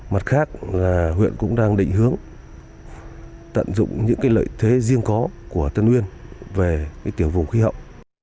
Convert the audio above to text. mặt khác là huyện cũng đang định hướng tận dụng những lợi thế riêng có của tân uyên về tiểu vùng khí hậu